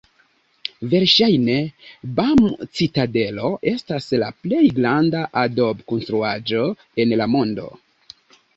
Verŝajne Bam-citadelo estas la plej granda adob-konstruaĵo en la mondo.